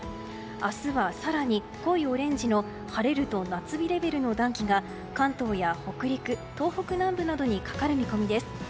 明日は更に濃いオレンジの晴れると夏日レベルの暖気が関東や北陸、東北南部などにかかる見込みです。